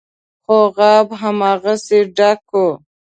خو غاب هماغسې ډک و.